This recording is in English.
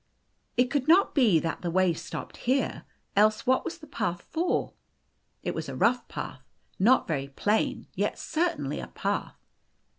It could not be that the way stopped here, else what was the path for? It was a rough path, not very plain, yet certainly a path.